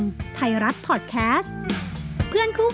จบการโรงแรมจบการโรงแรม